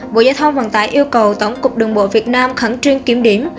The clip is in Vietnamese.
bộ giao thông vận tải yêu cầu tổng cục đường bộ việt nam khẳng truyền kiểm điểm